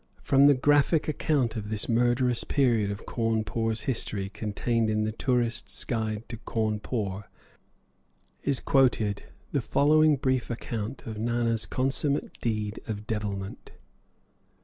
From the graphic account of this murderous period of Cawnpore's history contained in the "Tourists' Guide to Cawnpore" is quoted the following brief account of Nana's consummate deed of devilment.